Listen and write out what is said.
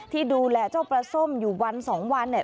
ที่ดูแลเจ้าประส้มอยู่วันสองวัน